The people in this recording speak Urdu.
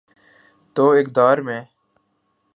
تو اقتدار میں۔